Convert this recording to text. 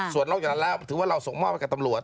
ส่วนนอกจากนั้นแล้วถือว่าเราส่งมอบให้กับตำรวจ